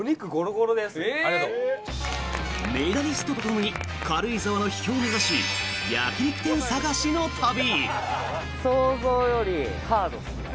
メダリストとともに軽井沢の秘境を目指し焼き肉店探しの旅。